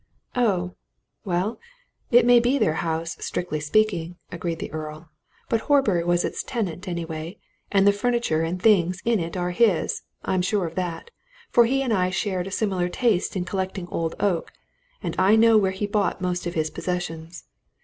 "Oh, well it may be their house, strictly speaking," agreed the Earl, "but Horbury was its tenant, anyway, and the furniture and things in it are his I'm sure of that, for he and I shared a similar taste in collecting old oak, and I know where he bought most of his possessions.